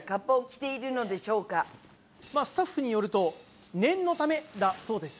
まあスタッフによると「念のため」だそうです！